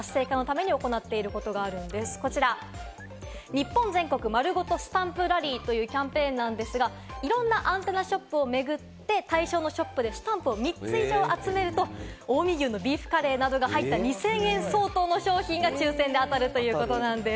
日本全国まるごとスタンプラリーというキャンペーンなんですが、いろんなアンテナショップを巡って、対象のショップでスタンプを３つ以上集めると、近江牛のビーフカレーなどが入った２０００円相当の賞品が抽選で当たるということなんです。